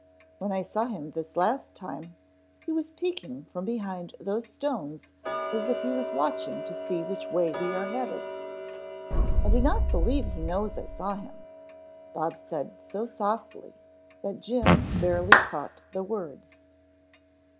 When I saw him this last time, he was peeking from behind those stones as if he was watching to see which way we are headed. I do not believe he knows I saw him," Bob said so softly that Jim barely caught the words.